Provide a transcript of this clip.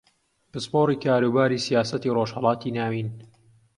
پسپۆڕی کاروباری سیاسەتی ڕۆژھەڵاتی ناوین